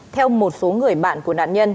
theo một số người bạn của nạn nhân